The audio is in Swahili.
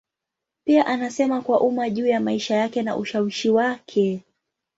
Pia anasema kwa umma juu ya maisha yake na ushawishi wake.